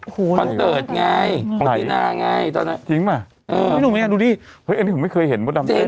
คอนเติร์ตไงคอนตินาไงตอนนั้นทิ้งมาเออพี่หนุ่มมี่ดูดิเฮ้ยอันนี้ผมไม่เคยเห็นบทดำเต้น